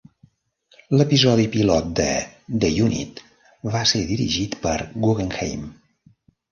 L'episodi pilot de "The Unit" va ser dirigit per Guggenheim